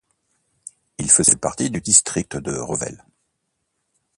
Il faisait partie du district de Revel.